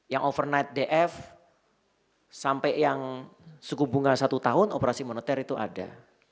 yang overnight df sampai yang suku bunga satu tahun operasi moneter itu ada